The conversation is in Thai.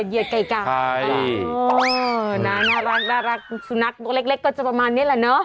เหยียดไก่กล้าโอ้โฮน่ารักสุนัขเล็กก็จะประมาณนี้แหละเนอะ